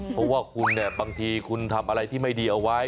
เพราะว่าบางทีคุณทำอะไรที่ไม่ดีเอาไว้